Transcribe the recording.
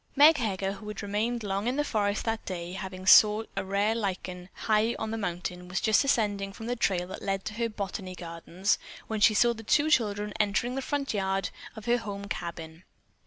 Meg Heger, who had remained long in the forest that day, having sought a rare lichen high on the mountain, was just descending from the trail that led into her "botany gardens" when she saw the two children entering the front yard of her home cabin.